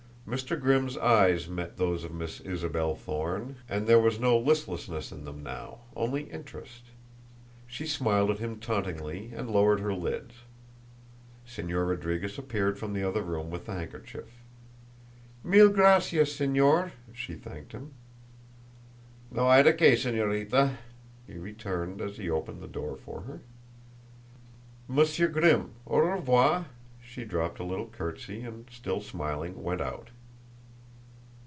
Mr. Grimm's eyes met those of Miss Isabel Thorne, and there was no listlessness in them now, only interest. She smiled at him tauntingly and lowered her lids. Señor Rodriguez appeared from the other room with the handkerchief. "Mil gracias, Señor," she thanked him. "No hay de que, Señorita," he returned, as he opened the door for her. "Monsieur Grimm, au revoir!" She dropped a little curtsey, and still smiling, went out.